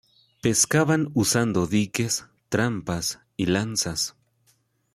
Pescaban usando diques, trampas y lanzas.